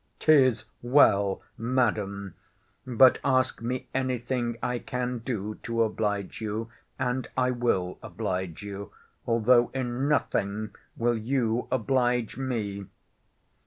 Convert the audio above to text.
'Tis well, Madam! But ask me any thing I can do to oblige you; and I will oblige you, though in nothing will you oblige me.